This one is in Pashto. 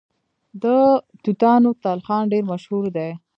د توتانو تلخان ډیر مشهور دی.